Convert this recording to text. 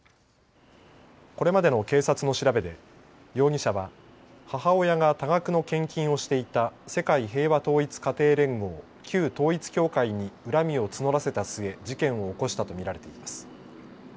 これまでの警察の調べで容疑者は母親が多額の献金をしていた世界平和統一家庭連合旧統一教会に恨みを募らせた末事件を起こしたと見られています。